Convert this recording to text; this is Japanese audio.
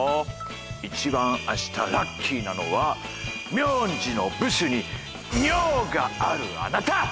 いちばん明日ラッキーなのは名字の部首に「にょう」があるあなた！